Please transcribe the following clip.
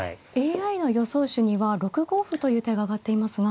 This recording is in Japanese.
ＡＩの予想手には６五歩という手が挙がっていますが。